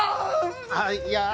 あっいや。